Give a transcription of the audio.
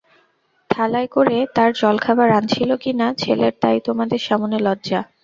থালায় করে তার জলখাবার আনছিল কিনা, ছেলের তাই তোমাদের সামনে লজ্জা।